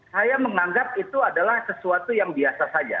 saya menganggap itu adalah sesuatu yang biasa saja